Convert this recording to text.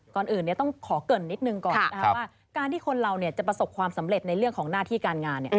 ก่อนอื่นต้องขอเกริ่นนิดนึงก่อนว่าการที่คนเราจะประสบความสำเร็จในเรื่องของหน้าที่การงาน